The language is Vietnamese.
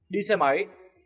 đi xe máy